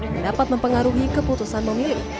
yang dapat mempengaruhi keputusan memilih